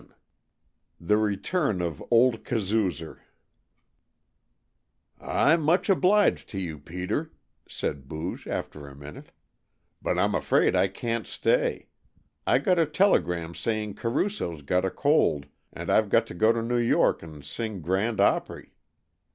XII. THE RETURN OF "OLD KAZOOZER" "I'm much obliged to you, Peter," said Booge after a minute, "but I'm afraid I can't stay. I got a telegram saying Caruso's got a cold and I've got to go to New York and sing grand opry."